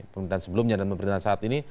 pemerintahan sebelumnya dan pemerintahan saat ini